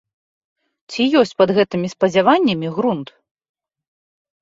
Ці ёсць пад гэтымі спадзяваннямі грунт?